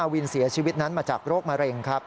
วินเสียชีวิตนั้นมาจากโรคมะเร็งครับ